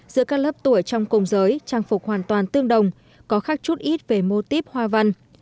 giữa các lớp tuổi trong cùng giới trang phục hoàn toàn tương đồng có khác chút ít về mô típ hoa văn